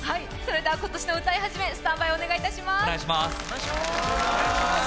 今年の歌い初め、スタンバイお願いします。